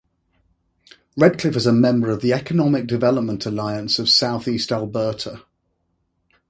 Redcliff is a member of the Economic Development Alliance of Southeast Alberta.